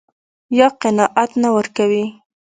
يا قناعت نه ورکوي.